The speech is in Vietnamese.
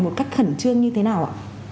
một cách khẩn trương như thế nào ạ